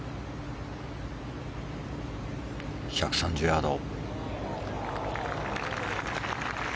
１３０ヤード。